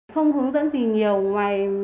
không hướng dẫn gì nhiều ngoài